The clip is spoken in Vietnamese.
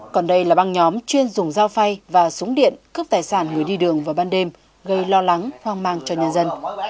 còn đây là băng nhóm chuyên dùng dao phay và súng điện cướp tài sản người đi đường vào ban đêm gây lo lắng hoang mang cho nhân dân